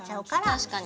確かに。